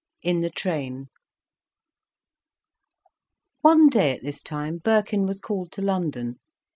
IN THE TRAIN One day at this time Birkin was called to London.